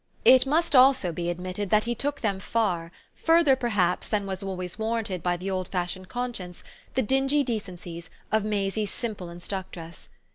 It must also be admitted that he took them far, further perhaps than was always warranted by the old fashioned conscience, the dingy decencies, of Maisie's simple instructress.